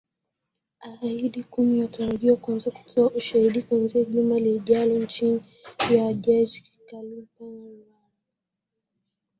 hahidi kumi wanatarajiwa kuanza kutoa ushahidi kuanzia juma lijalo chini ya jaji kalpana rawal